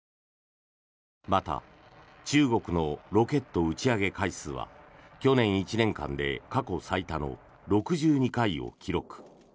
また、中国のロケット打ち上げ回数は去年１年間で過去最多の６２回を記録。